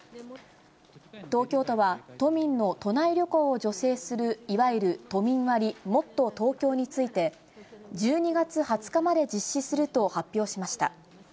東京都は、都民の都内旅行を助成する、いわゆる都民割、もっとＴｏｋｙｏについて、１２月２０日まで実施すると発表しました。